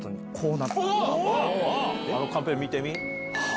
あのカンペ見てみ。